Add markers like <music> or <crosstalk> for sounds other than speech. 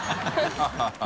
ハハハ <laughs>